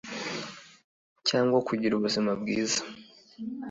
cyangwa kugira ubuzima bwiza